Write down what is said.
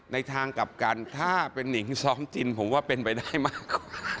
ในทางกลับกันถ้าเป็นนิงซ้อมจินผมว่าเป็นไปได้มากกว่า